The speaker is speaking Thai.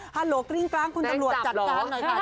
โหลกริ้งกลางคุณตำรวจจัดการหน่อยค่ะ